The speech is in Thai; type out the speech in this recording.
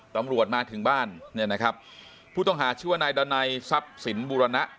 ตำรวจมาถึงบ้านเนี่ยนะครับผู้ต้องหาชื่อว่านายดันไนสับสินบุรณะ